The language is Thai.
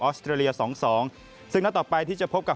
ออสเตรเลีย๒๒ซึ่งรอบต่อไปที่จะพบกับ